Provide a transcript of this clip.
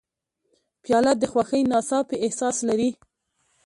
پیاله د خوښۍ ناڅاپي احساس لري.